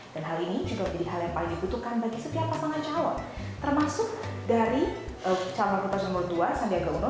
dan hal ini juga menjadi hal yang paling dibutuhkan bagi setiap pasangan calon termasuk dari calon wakil presiden nomor dua sandiaga uno